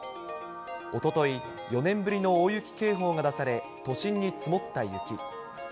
おととい、４年ぶりの大雪警報が出され、都心に積もった雪。